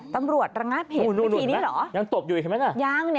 ตำรวจระงับเห็นมันทีนี้หรออย่างตบอยู่อย่างนี้น่ะ